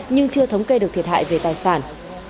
nhưng chưa thống kê được thiệt hại về tài sản